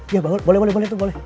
ya boleh boleh boleh